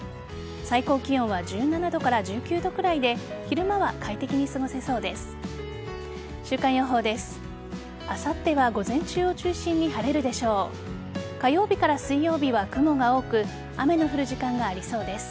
最高気温は１７度から１９度くらいで昼間は快適に過ごせそうです。